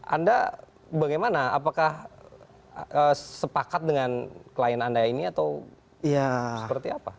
anda bagaimana apakah sepakat dengan klien anda ini atau seperti apa